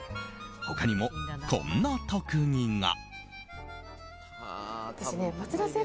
他にも、こんな特技が。